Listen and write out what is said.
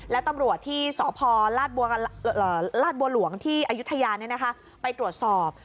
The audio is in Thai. และตำรวจที่สพลาดบัวหลวงที่อายุทยาไปตรวจสอบ